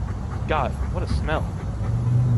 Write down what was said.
God! What a smell!